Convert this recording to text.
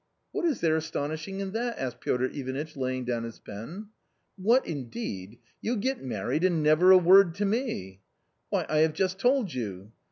" "What is there astonishing in that?" asked Piotr Ivanitch laying down his pen. "What indeed? you get married and never a word to me!" " Why I have just told you."